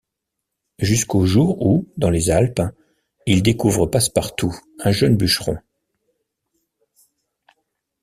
Jusqu'au jour où, dans les Alpes, il découvre Passe-Partout, un jeune bûcheron...